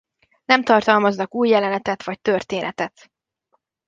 Nem tartalmaznak új jelenetet vagy történetet.